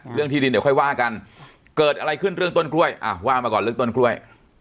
ที่ดินเดี๋ยวค่อยว่ากันเกิดอะไรขึ้นเรื่องต้นกล้วยอ่ะว่ามาก่อนเรื่องต้นกล้วย